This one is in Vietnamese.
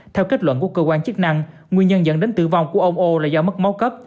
theo kết luận của cơ quan chức năng nguyên nhân dẫn đến tử vong của ông o là do mất máu cấp